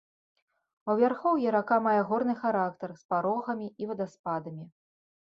У вярхоўі рака мае горны характар, з парогамі і вадаспадамі.